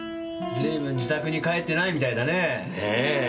随分自宅に帰ってないみたいだね。ねぇ。